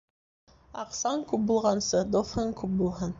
Аҡсаң күп булғансы, дуҫың күп булһын.